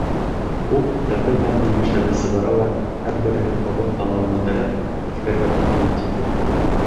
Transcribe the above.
Ул тәмле-тәмле емештәрҙе сығара ла һәр береһен оҙон танауына терәп еҫкәргә тотона, ти.